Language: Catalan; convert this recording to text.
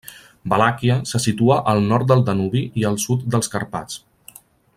Valàquia se situa al nord del Danubi i al sud dels Carpats.